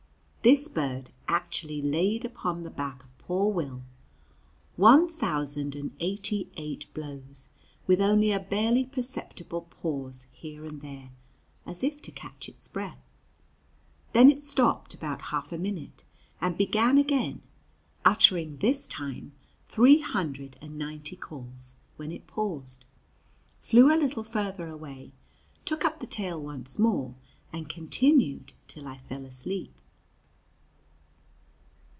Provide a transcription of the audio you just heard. This bird actually laid upon the back of poor Will one thousand and eighty eight blows, with only a barely perceptible pause here and there, as if to catch its breath. Then it stopped about half a minute and began again, uttering this time three hundred and ninety calls, when it paused, flew a little farther away, took up the tale once more, and continued till I fell asleep.